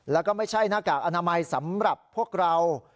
แล้วก็ไม่ใช่หน้ากากอนามัยสำหรับพวกเรา